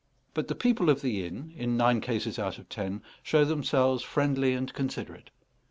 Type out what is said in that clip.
But the people of the inn, in nine cases out of ten, show themselves friendly and considerate.